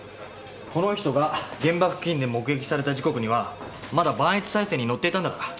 この人が現場付近で目撃された時刻にはまだ磐越西線に乗っていたんだから。